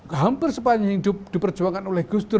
hampir sepanjang hidup diperjuangkan oleh gus dur